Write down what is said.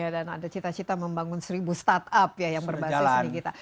dan ada cita cita membangun seribu start up yang berbasis di kita